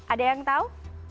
ada yang tahu